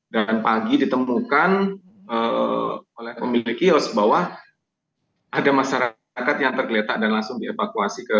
dan pagi ditemukan oleh pemilik kios bahwa ada masyarakat yang tergeletak dan langsung dievakuasi ke